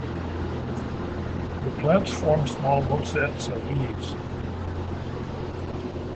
The plants form small rosettes of leaves.